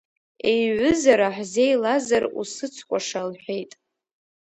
Еиҩызара ҳзеилазар, усыцкәаша, – лҳәеит.